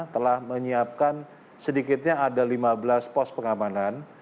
telah menyiapkan sedikitnya ada lima belas pos pengamanan